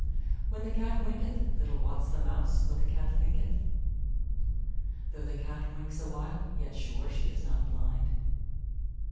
"When the Cat winketh, little wots the mouse what the Cat thinketh." "Though the Cat winks a while, yet sure she is not blind."